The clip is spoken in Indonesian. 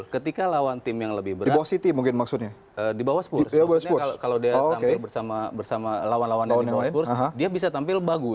ketika lawan tim yang lebih berat di bawah spurs kalau dia bersama lawan lawan yang di bawah spurs dia bisa tampil bagus